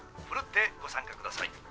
奮ってご参加ください。